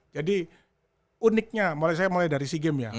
jadi uniknya saya mulai dari sea games ya